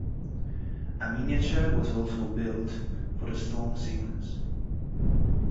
A miniature was also built for the storm sequence.